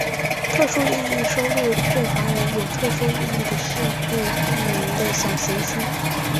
特殊意义收录对华人有特殊意义的事物命名的小行星。